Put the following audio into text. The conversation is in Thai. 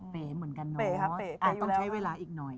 แปะจริงก็ต้องใช้เวลา